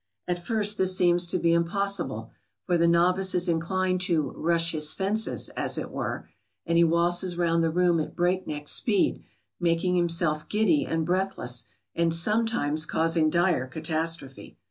At first this seems to be impossible, for the novice is inclined to "rush his fences," as it were, and he waltzes round the room at breakneck speed, making himself giddy and breathless, and sometimes causing dire catastrophe.